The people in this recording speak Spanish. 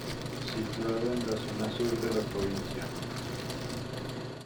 Situado en la zona sur de la provincia.